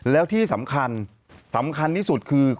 แล้วที่สำคัญสำคัญที่สุดคือ